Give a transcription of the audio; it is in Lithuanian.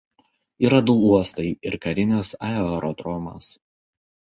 Yra du uostai ir karinis aerodromas.